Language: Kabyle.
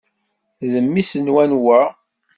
D mmi-s n wanwa?